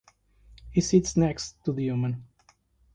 He sits next to the woman.